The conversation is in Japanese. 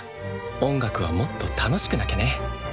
音楽はもっと楽しくなきゃね。